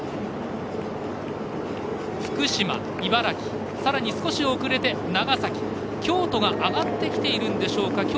福島、茨城、さらに少し遅れて長崎、京都が上がってきているんでしょうか。